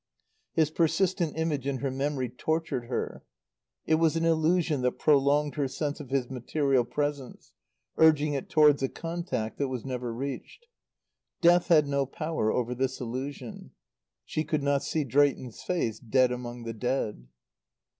His persistent image in her memory tortured her. It was an illusion that prolonged her sense of his material presence, urging it towards a contact that was never reached. Death had no power over this illusion. She could not see Drayton's face, dead among the dead.